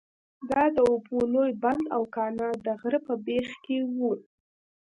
دا د اوبو لوی بند او کانال د غره په بیخ کې وو.